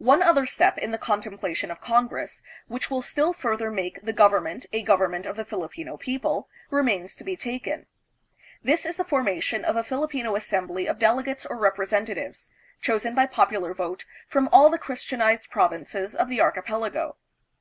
One other step in the con 316 THE PHILIPPINES. templation of Congress, which will still further make the government a government of the Filipino people, remains to be taken. This is the formation of a Filipino assembly of delegates or representatives, chosen by popular vote from all the Christianized provinces of the archipelago.